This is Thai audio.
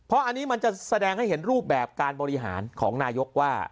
เพราะอันนี้มันจะแสดงให้เห็นรูปแบบการบริหารของนายกว่า